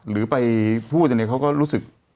หรือไปพูดอันนี้เขาก็รู้สึก